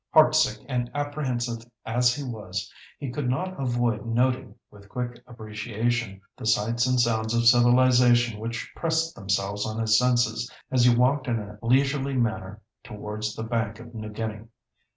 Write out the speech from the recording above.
Heart sick and apprehensive as he was, he could not avoid noting with quick appreciation the sights and sounds of civilisation which pressed themselves on his senses as he walked in a leisurely manner towards the Bank of New Guinea.